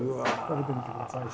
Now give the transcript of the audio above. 食べてみて下さい。